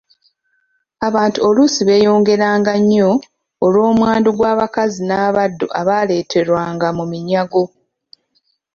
Abantu oluusi beeyongeranga nnyo olw'omwandu gw'abakazi n'abaddu abaaleeterwanga mu minyago.